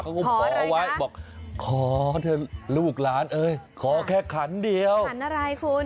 ขอเอาไว้บอกขอเถอะลูกหลานเอ้ยขอแค่ขันเดียวขันอะไรคุณ